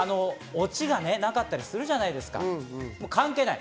オチがなかったりするじゃないですか、関係ない。